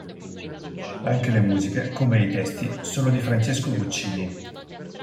Anche le musiche, come i testi, sono di Francesco Guccini.